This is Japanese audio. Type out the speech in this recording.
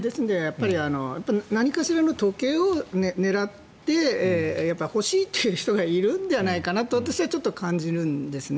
何かしらの時計を狙って欲しいという人がいるのではないかと私はちょっと感じるんですね。